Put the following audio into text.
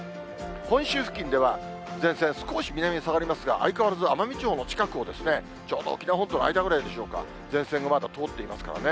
本州付近では前線、少し南へ下がりますが、相変わらず奄美地方の近くを、ちょうど沖縄本島との間ぐらいでしょうか、前線がまだ通っていますからね。